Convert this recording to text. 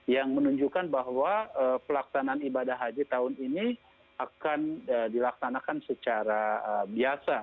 yang menunjukkan bahwa pelaksanaan ibadah haji tahun ini akan dilaksanakan secara biasa